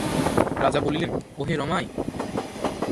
রাজা বলিলেন, ওহে রমাই।